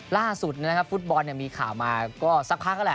ล่าสุดนะครับฟุตบอลมีข่าวมาก็สักพักแล้วแหละ